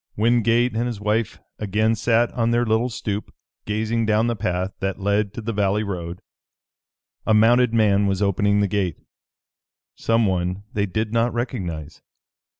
Wingate and his wife again sat on their little stoop, gazing down the path that led to the valley road. A mounted man was opening the gate, someone they did not recognize.